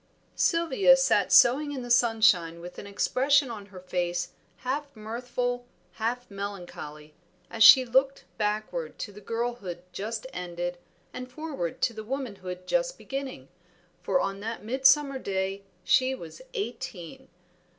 Sylvia sat sewing in the sunshine with an expression on her face half mirthful, half melancholy, as she looked backward to the girlhood just ended, and forward to the womanhood just beginning, for on that midsummer day, she was eighteen.